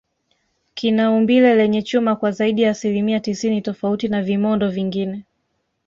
kina umbile lenye chuma kwa zaidi ya asilimia tisini tofauti na vimondo vingine